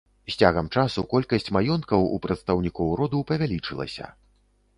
З цягам часу колькасць маёнткаў у прадстаўнікоў роду павялічылася.